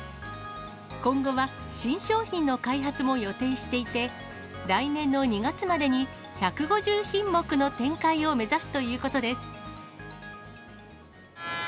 今後は新商品の開発も予定していて、来年の２月までに、１５０品目の展開を目指すということです。